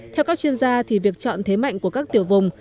theo các chuyên gia thì việc chọn thế mạnh của các tiểu vùng